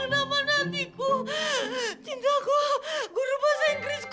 kok ada alien makhluk larut di sini